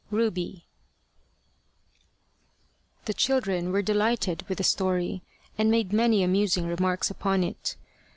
RUBY THE children were delighted with the story, and made many amusing remarks upon it.